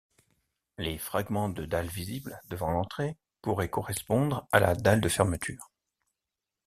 Les fragments de dalle visibles devant l'entrée pourraient correspondre à la dalle de fermeture.